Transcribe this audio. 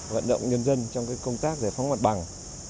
vận động nhân dân trong công tác giải phóng mặt bằng